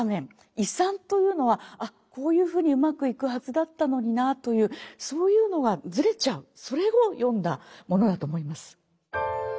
「違算」というのはこういうふうにうまくいくはずだったのになというそういうのがずれちゃうそれをよんだものだと思います。